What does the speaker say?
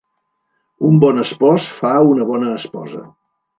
Un bon espòs fa una bona esposa.